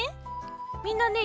みんなね